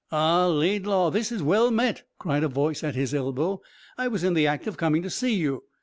"Ah, Laidlaw, this is well met," cried a voice at his elbow; "I was in the act of coming to see you.